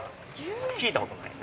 聞いたことない？